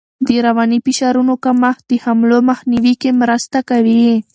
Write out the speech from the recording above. د رواني فشارونو کمښت د حملو مخنیوی کې مرسته کوي.